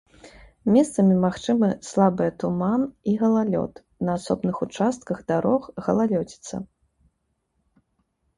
Месцамі магчымы слабыя туман і галалёд, на асобных участках дарог галалёдзіца.